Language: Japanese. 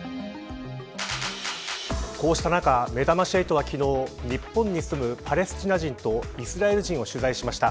こうした中、めざまし８は昨日日本に住むパレスチナ人とイスラエル人を取材しました。